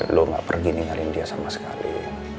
lo gak pergi ninggalin dia sama sekali